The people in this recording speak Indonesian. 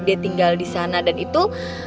dia tinggal disana dan itu